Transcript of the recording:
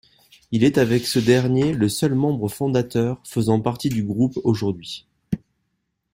Il est avec ce dernier le seul membre fondateur faisant partie du groupe aujourd'hui.